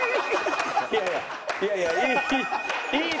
いい！